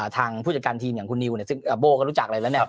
ทางผู้จัดการทีมอย่างคุณนิวซึ่งโบ้ก็รู้จักเลยแล้ว